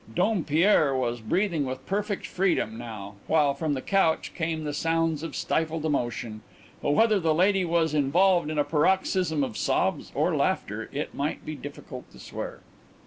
Dompierre was breathing with perfect freedom now, while from the couch came the sounds of stifled emotion, but whether the lady was involved in a paroxysm of sobs or of laughter it might be difficult to swear.